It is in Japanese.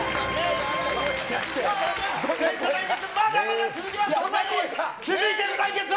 まだまだ続きます。